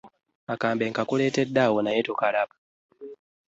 Akambe nkakuleetedde awo naye tokalabye.